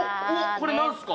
これ何すか？